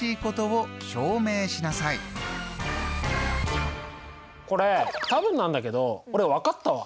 今回のこれ多分なんだけど俺分かったわ。